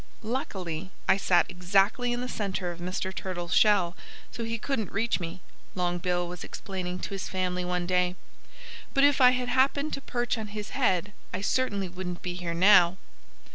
"Luckily I sat exactly in the center of Mr. Turtle's shell, so he couldn't reach me," Long Bill was explaining to his family one day. "But if I had happened to perch on his head I certainly wouldn't be here now."